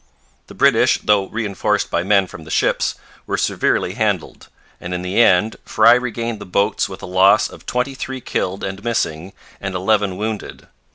The British, though reinforced by men from the ships, were severely handled; and in the end Frye regained the boats with a loss of twenty three killed and missing and eleven wounded.